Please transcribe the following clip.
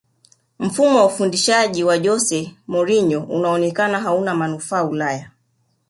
mfumo wa ufundishaji wa jose mourinho unaonekana hauna manufaa ulaya